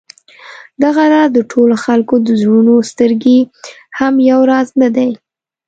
دغه راز د ټولو خلکو د زړونو سترګې هم یو راز نه دي.